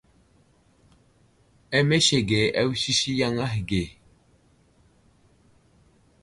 Amesege awusisi yaŋ ahe ge.